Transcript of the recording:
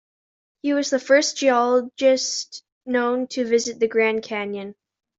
He was the first geologist known to visit the Grand Canyon.